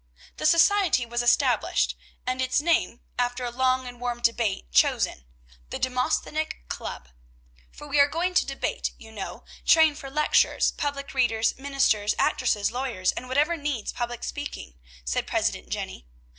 The society was established, and its name, after a long and warm debate, chosen: "The Demosthenic Club." "For we are going to debate, you know; train for lecturers, public readers, ministers, actresses, lawyers, and whatever needs public speaking," said President Jenny.